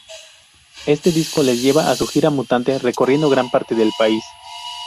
Este disco les lleva a su Gira Mutante recorriendo gran parte del país.